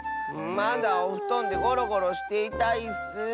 まだおふとんでゴロゴロしていたいッス。